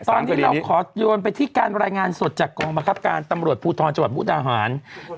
ตอนนี้เราขอโยนไปที่การรายงานสดจากกองบังคับการตำรวจภูทรจังหวัดมุกดาหาร